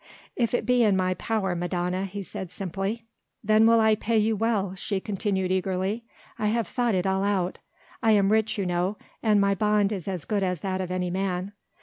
"If it be in my power, Madonna!" he said simply. "Then will I pay you well," she continued eagerly. "I have thought it all out. I am rich you know, and my bond is as good as that of any man.